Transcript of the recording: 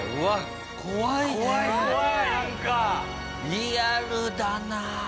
リアルだなあ！